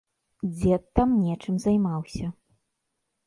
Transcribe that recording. Дзед там нечым займаўся.